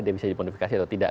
dia bisa dimodifikasi atau tidak